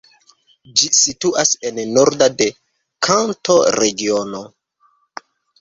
Ĝi situas en norda de Kanto-regiono.